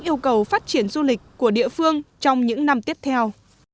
yêu cầu phát triển du lịch của địa phương trong những năm tiếp theo